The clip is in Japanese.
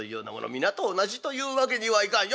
皆と同じというわけにはいかん。